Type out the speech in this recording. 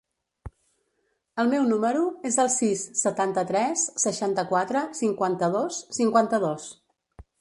El meu número es el sis, setanta-tres, seixanta-quatre, cinquanta-dos, cinquanta-dos.